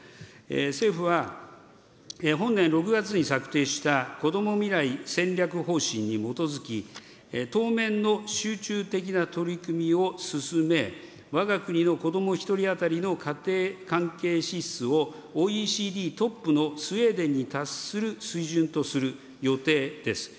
政府は本年６月に策定したこども未来戦略方針に基づき、当面の集中的な取り組みを進め、わが国の子ども１人当たりの家庭関係支出をＯＥＣＤトップのスウェーデンに達する水準とする予定です。